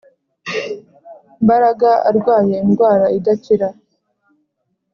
mbaraga arwaye indwara idakira,